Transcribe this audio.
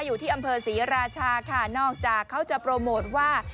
อยู่ที่อำเภอศรีราชาค่ะนอกจากเขาจะโปรโมทว่า